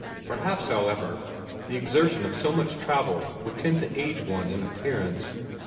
Perhaps, however, the exertion of so much travel would tend to age one in appearance.